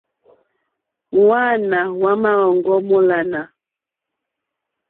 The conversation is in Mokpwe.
Hwáāná hwá má òŋɡô mólánà.